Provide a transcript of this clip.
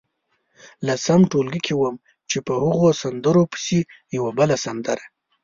لسم ټولګي کې وم چې په هغو سندرو پسې یوه بله سندره.